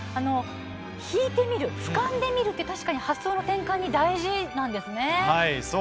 引いて見る、ふかんで見る発想の転換に大事なんですね。